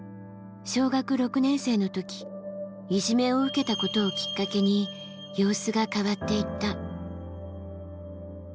小学６年生のときいじめを受けたことをきっかけに様子が変わっていった。